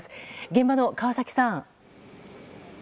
現場の川崎さん。